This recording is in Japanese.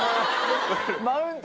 マウント？